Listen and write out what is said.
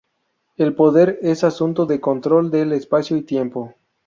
El poder es asunto de control del espacio y el tiempo.